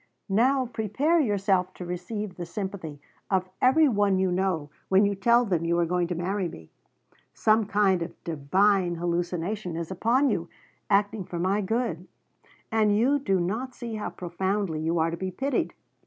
"Now prepare yourself to receive the sympathy of every one you know when you tell them you are going to marry me. Some kind of divine hallucination is upon you, acting for my good, and you do not see how profoundly you are to be pitied.